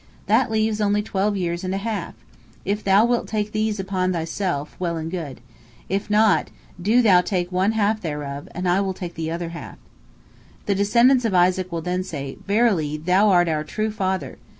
That leaves only twelve years and a half. If Thou wilt take these upon Thyself, well and good. If not, do Thou take one half thereof, and I will take the other half." The descendants of Isaac will then say, "Verily, thou art our true father!"